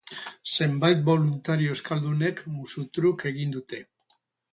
Zenbait boluntario euskaldunek, musu truk, egin dute.